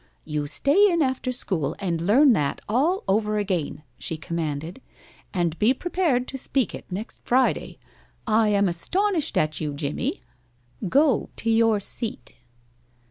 "You stay in after school and learn that all over again," she commanded. "And be prepared to speak it next Friday. I am astonished at you, Jimmie. Go to your seat."